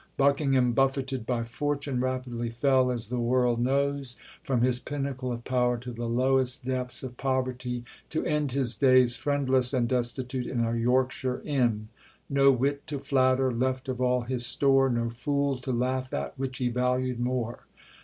Buckingham, buffeted by fortune, rapidly fell, as the world knows, from his pinnacle of power to the lowest depths of poverty, to end his days, friendless and destitute, in a Yorkshire inn. "No wit, to flatter, left of all his store! No fool to laugh at, which he valued more.